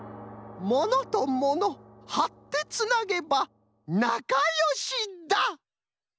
「ものとものはってつなげばなかよしだ」。